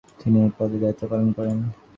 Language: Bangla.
তিনি এই পদে দায়িত্ব পালন করেন।